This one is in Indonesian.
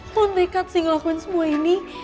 lo nekat sih ngelakuin semua ini